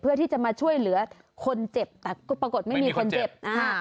เพื่อที่จะมาช่วยเหลือคนเจ็บแต่ก็ปรากฏไม่มีคนเจ็บอ่า